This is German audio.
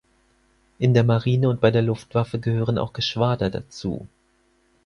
In der Marine und bei der Luftwaffe gehören auch Geschwader dazu.